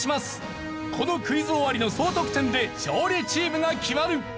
このクイズ終わりの総得点で勝利チームが決まる。